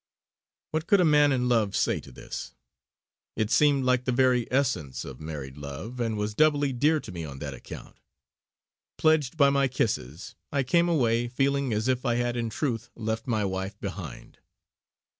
What could a man in love say to this? It seemed like the very essence of married love, and was doubly dear to me on that account. Pledged by my kisses I came away, feeling as if I had in truth left my wife behind.